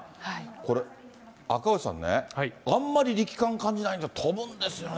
これ、赤星さんね、あんまり力感感じないんですけど、飛ぶんですよね。